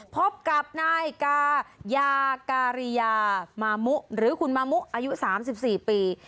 พบกับท่านคุณนาคาริยามะมุอายุ๓๔ปี